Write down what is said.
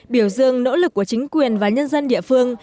biểu dương nỗ lực của chính quyền và nhân dân địa phương